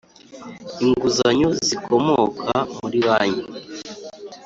Inguzanyo zikomoka mu ri banki